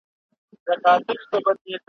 د مطرب لاس کي رباب و